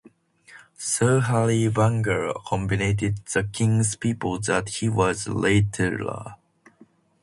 Sir Harry Beagle convinced the King's people that he was a rattler.